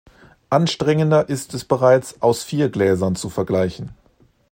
Anstrengender ist es bereits, aus vier Gläsern zu vergleichen.